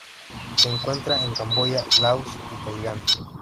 Se encuentra en Camboya, Laos, y Tailandia.